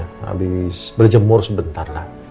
habis berjemur sebentar lah